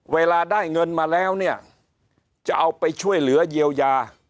เวลาได้เงินมาแล้วเนี่ยจะเอาไปช่วยเหลือเยียวยา